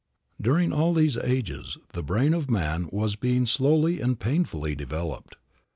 During all these ages, the brain of man was being slowly and painfully developed.